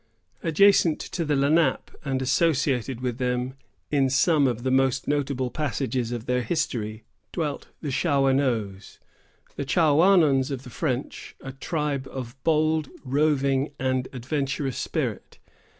Adjacent to the Lenape, and associated with them in some of the most notable passages of their history, dwelt the Shawanoes, the Chaouanons of the French, a tribe of bold, roving, and adventurous spirit.